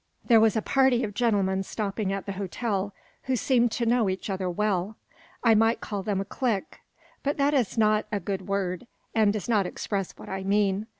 There was a party of gentlemen stopping at the hotel, who seemed to know each other well. I might call them a clique; but that is not a good word, and does not express what I mean.